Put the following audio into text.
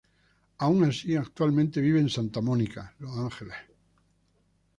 Aun así, actualmente vive en Santa Mónica, Los Ángeles.